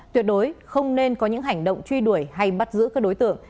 tuyệt đối không nên có những hành động truy đuổi hay bắt giữ các đối tượng